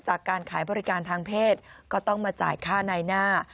จากการขายบริการทางเพศก็ต้องมาจ่ายค่าในหน้า